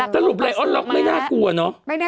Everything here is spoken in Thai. สรุปไลออนล็อกไม่น่ากลัวเนอะ